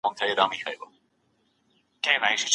په لاس لیکلنه د ذهن د ښایسته کولو هنر دی.